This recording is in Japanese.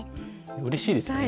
うれしいですよね。